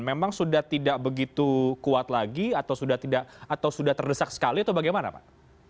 memang sudah tidak begitu kuat lagi atau sudah terdesak sekali atau bagaimana pak